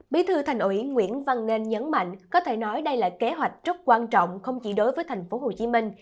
bí thư thành ủy nguyễn văn nên nhấn mạnh có thể nói đây là kế hoạch rất quan trọng không chỉ đối với thành phố hồ chí minh